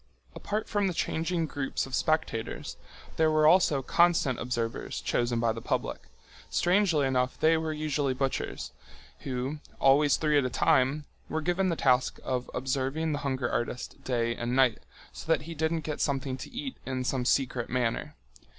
Apart from the changing groups of spectators there were also constant observers chosen by the public—strangely enough they were usually butchers—who, always three at a time, were given the task of observing the hunger artist day and night, so that he didn't get something to eat in some secret manner.